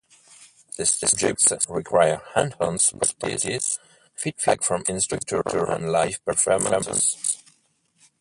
These subjects require hands-on practice, feedback from instructors, and live performances.